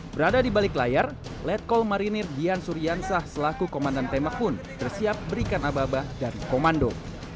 berada di balik layar letkol marinir dian suriansah selaku komandan tembak pun bersiap berikan aba aba dari komando